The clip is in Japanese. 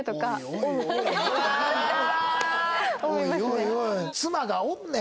おいおいおい。